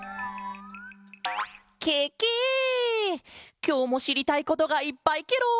きょうもしりたいことがいっぱいケロ！